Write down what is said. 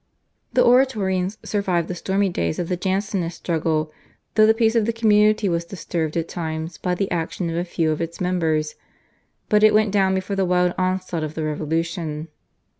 The Oratorians survived the stormy days of the Jansenist struggle though the peace of the community was disturbed at times by the action of a few of its members, but it went down before the wild onslaught of the Revolution.